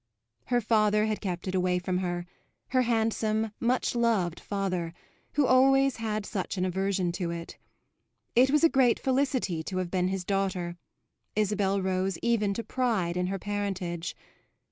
Her father had kept it away from her her handsome, much loved father, who always had such an aversion to it. It was a great felicity to have been his daughter; Isabel rose even to pride in her parentage.